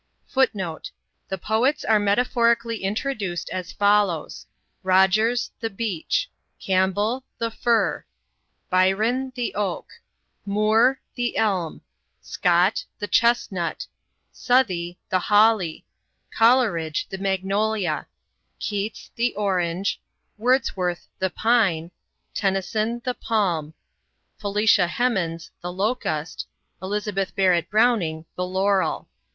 [Footnote: The Poets are metaphorically introduced as follows. ROGERS, The Beech; CAMPBELL, The Fir; BYRON, The Oak; MOORE, The Elm; SCOTT, The Chestnut; SOUTHEY, The Holly; COLERIDGE, The Magnolia; KEATS, The Orange; WORDSWORTH, The Pine; TENNYSON, The Palm; FELICIA HEMANS, The Locust; ELIZABETH BARRETT BROWNING, The Laurel.